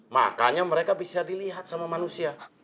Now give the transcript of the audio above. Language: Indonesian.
makanya mereka bisa dilihat sama manusia